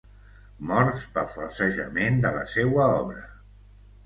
Morts pel falsejament de la seua obra.